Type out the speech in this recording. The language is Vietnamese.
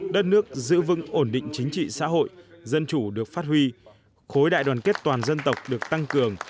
đất nước giữ vững ổn định chính trị xã hội dân chủ được phát huy khối đại đoàn kết toàn dân tộc được tăng cường